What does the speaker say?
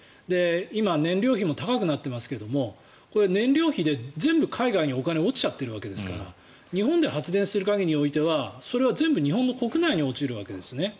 今、燃料費も高くなっていますがこれ、燃料費で全部海外にお金が落ちちゃっているわけですから日本で発電する限りにおいてはそれは全部日本の国内に落ちるわけですね。